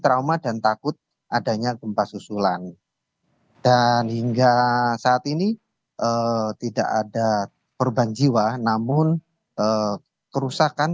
trauma dan takut adanya gempa susulan dan hingga saat ini tidak ada korban jiwa namun kerusakan